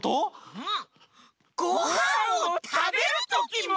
うん。